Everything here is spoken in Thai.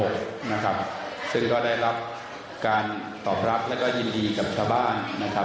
ซึ่งเขาก็ได้รับการตอบรับและยินดีกับชาวบ้าน